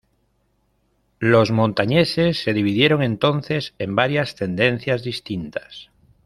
Los Montañeses se dividieron entonces en varias tendencias distintas.